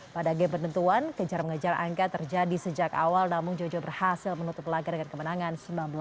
pada game penentuan kejar mengejar angka terjadi sejak awal namun jojo berhasil menutup laga dengan kemenangan sembilan belas dua puluh